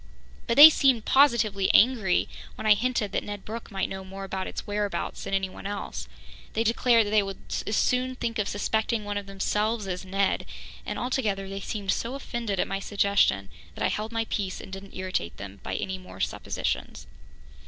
But they seemed positively angry when I hinted that Ned Brooke might know more about its whereabouts than anyone else. They declared that they would as soon think of suspecting one of themselves as Ned, and altogether they seemed so offended at my suggestion that I held my peace and didn't irritate them by any more suppositions.